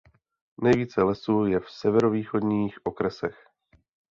Nejvíce lesů je v severovýchodních okresech.